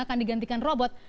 akan digantikan robot